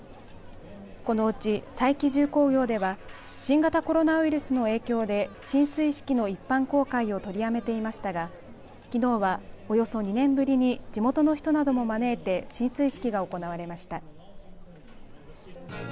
このうち佐伯重工業では新型コロナウイルスの影響で進水式の一般公開を取りやめていましたがきのうは、およそ２年ぶりに地元の人なども招いて進水式が行われました。